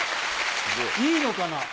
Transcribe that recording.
いいのかな？